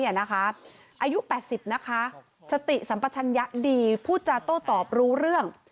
อายุ๘๐นะคะสติสัมปชัญญะดีพูดจาโต้ตอบรู้เรื่อง